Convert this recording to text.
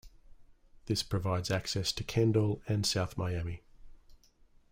This provides access to Kendall and South Miami.